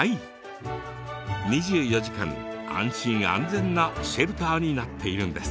２４時間安心安全なシェルターになっているんです。